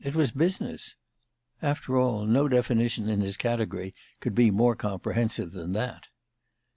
It was business." After all, no definition in his category could be more comprehensive than that.